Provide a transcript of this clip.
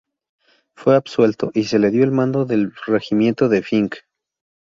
Fue absuelto y se le dio el mando del regimiento de Finck.